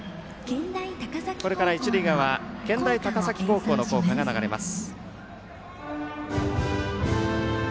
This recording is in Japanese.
これから一塁側健大高崎高校の校歌が流れます。